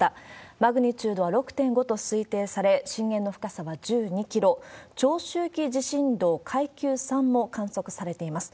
マグニチュードは６．５と推定され、震源の深さは１２キロ、長周期地震動階級３も観測されています。